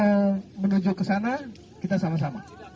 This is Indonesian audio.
kalau kita mau ke sana kita sama sama